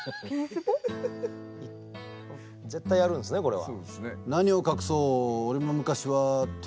絶対やるんですねこれは。